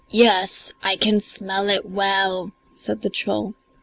"Yes, I can smell it well," said the troll.